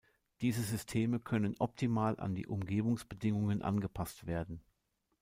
Diese Systeme können optimal an die Umgebungsbedingungen angepasst werden.